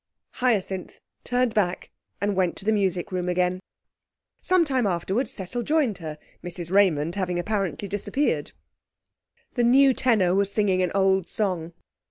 Hyacinth turned back and went to the music room again. Some time afterwards Cecil joined her, Mrs Raymond having apparently disappeared. The new tenor was singing an old song.